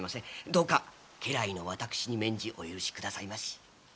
どうか家来の私に免じお許しくださいまし。